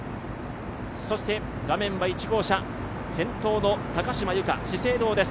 そして画面は１号車先頭の高島由香、資生堂です。